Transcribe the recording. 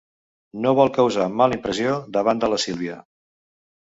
No vol causar mala impressió davant de la Sílvia.